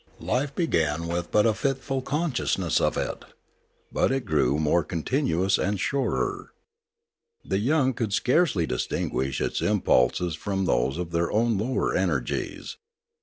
Life began with but a fitful consciousness of it, 39° Limanora but it grew more continuous and surer. The young could scarcely distinguish its impulses from those of their own lower energies.